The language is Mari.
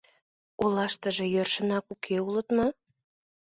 — Олаштыже йӧршынак уке улыт мо?